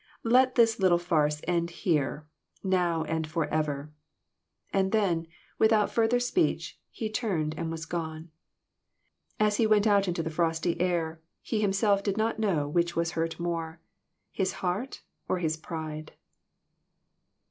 Let this little farce end here, now and forever." And then, without further speech, he turned and was gone. As he went out into the frosty air, he himself did not know which was hurt more his heart or his pride.